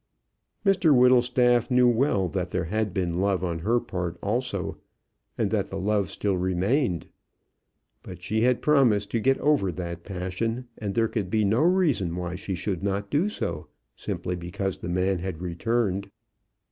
Mr Whittlestaff knew well that there had been love on her part also, and that the love still remained. But she had promised to get over that passion, and there could be no reason why she should not do so, simply because the man had returned.